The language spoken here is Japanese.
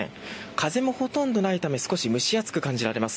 風もほとんどないため少し蒸し暑く感じられます。